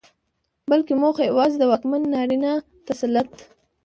بلکې موخه يواځې د واکمن نارينه تسلط